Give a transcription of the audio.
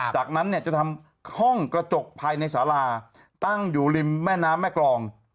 จากนั้นเนี่ยจะทำห้องกระจกภายในสาราตั้งอยู่ริมแม่น้ำแม่กรอง